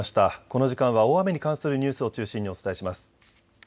この時間は大雨に関するニュースを中心にお伝えします。